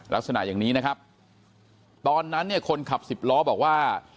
ลักษณะอย่างนี้นะครับตอนนั้นเนี่ยคนขับสิบล้อบอกว่า